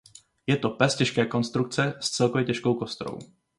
Je to pes těžké konstrukce s celkově těžkou kostrou.